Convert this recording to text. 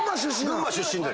群馬出身で。